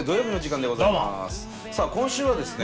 さあ今週はですね